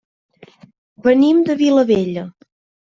Venim de la Vilavella.